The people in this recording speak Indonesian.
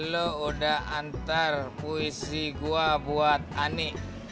lo udah antar puisi gue buat ani